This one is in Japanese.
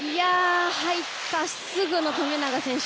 入ったすぐの富永選手